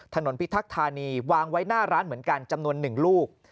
พิทักษ์ธานีวางไว้หน้าร้านเหมือนกันจำนวน๑ลูก